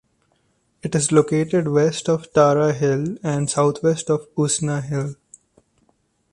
It is located west of Tara Hill and southwest of Usna Hill.